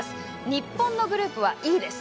日本のグループはＥです。